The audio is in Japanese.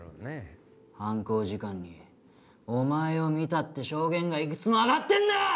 犯行時間にお前を見たって証言がいくつも挙がってんだよ！